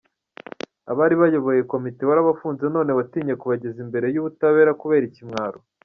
Abari bayoboye komite warabafunze none watinye kubageza imbere y’ubutabera kubera ikimwaro!